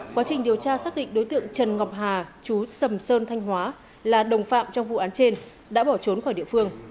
quá trình điều tra xác định đối tượng trần ngọc hà chú sầm sơn thanh hóa là đồng phạm trong vụ án trên đã bỏ trốn khỏi địa phương